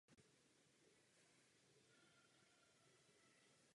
Dále se začala rozvíjet diskusní fóra.